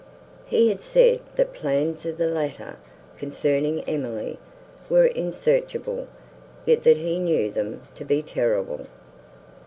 He had said, that plans of the latter, concerning Emily, were insearchable, yet that he knew them to be terrible.